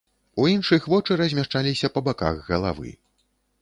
У іншых вочы размяшчаліся па баках галавы.